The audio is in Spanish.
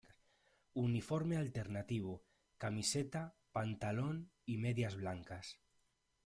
Uniforme alternativo: Camiseta, pantalón y medias blancas.